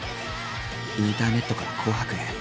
インターネットから「紅白」へ。